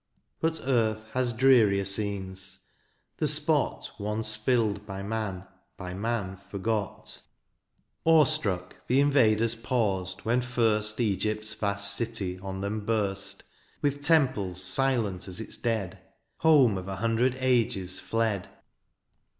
But earth has drearier scenes — the spot Once filled by man, by man forgot : t THE AREOPAGITE. 101 Awe struck, the invaders paused, when first {u) Egypt's vast city on them burst. With temples silent as its dead, — Home of a hundred ages fled